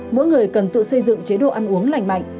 mỗi người cần tự xây dựng chế độ ăn uống lành mạnh